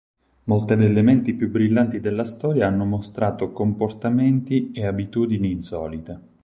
Molte delle menti più brillanti della storia hanno mostrato comportamenti e abitudini insolite.